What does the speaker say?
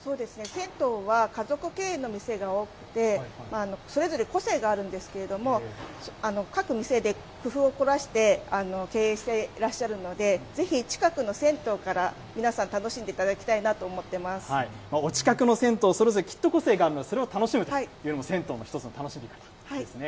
銭湯は家族経営の店が多くて、それぞれ個性があるんですけれども、各店で工夫を凝らして経営してらっしゃるので、ぜひ、近くの銭湯から皆さん楽しんでいただきたいなと思っていまお近くの銭湯、それぞれきっと個性があるので、それを楽しむというのも銭湯の一つの楽しみということですね。